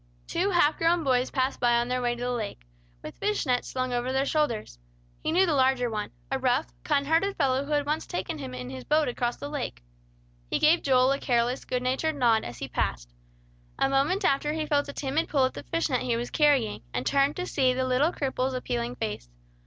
Two half grown boys passed by on their way to the lake, with fish nets slung over their shoulders. He knew the larger one, a rough, kind hearted fellow who had once taken him in his boat across the lake. He gave Joel a careless, good natured nod as he passed. A moment after he felt a timid pull at the fish net he was carrying, and turned to see the little cripple's appealing face.